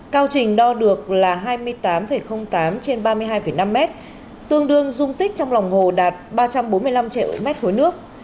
cao trình đo được là hai mươi tám tám trên ba mươi hai năm mét tương đương dung tích trong lòng hồ đạt ba trăm bốn mươi năm triệu m ba nước